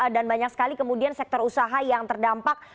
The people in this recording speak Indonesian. dan banyak sekali kemudian sektor usaha yang terdampak